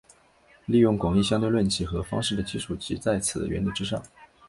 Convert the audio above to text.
利用广义相对论几何方式的基础即在此原理之上。